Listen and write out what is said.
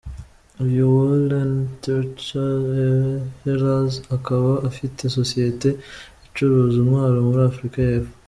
Uyu Willem Tertius Ehlers akaba afite sosiyete icuruza intwaro muri Afurika y’Epfo.